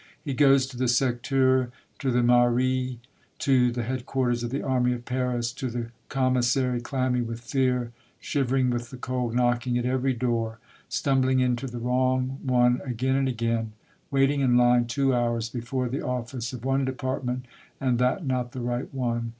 He goes to the Secteur, to the mairie, to the headquarters of the Army of Paris, to the com missary, clammy with fear, shivering with the cold, knocking at every door, stumbling into the wrong one again and again, waiting in line two hours be fore the office of one department, and that not the right one.